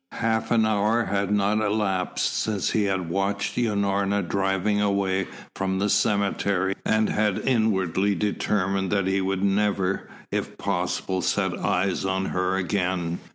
Half an hour had not elapsed since he had watched Unorna driving away from the cemetery and had inwardly determined that he would never, if possible, set eyes on her again.